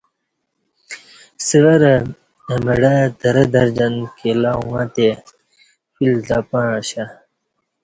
سورہ اہ مڑہ ترہ درجن کیلہ اوݣہ تے فیل تہ پݩع اشہ